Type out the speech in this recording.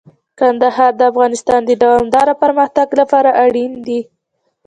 کندهار د افغانستان د دوامداره پرمختګ لپاره اړین دي.